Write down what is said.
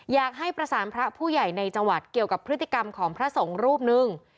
อยากให้ประสานพระผู้ใหญ่ในจังหวัดเกี่ยวกับพฤติกรรมของพระสงฆ์รูปนึง